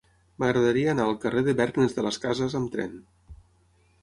M'agradaria anar al carrer de Bergnes de las Casas amb tren.